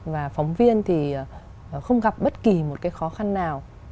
và phóng viên thì không gặp bất kỳ một cái khó khăn nào